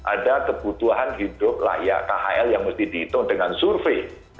ada kebutuhan hidup layak khl yang mesti dihitung dengan survei